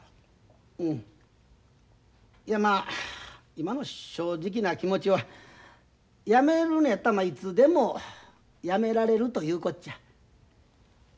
今の正直な気持ちはやめるのやったらいつでもやめられるというこっちゃ。